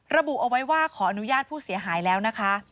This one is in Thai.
ระบุเอาไว้ว่าขออนุญาตผู้เสียหายแล้วนะคะ